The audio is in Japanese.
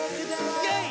イェイ！